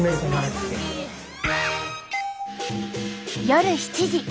夜７時。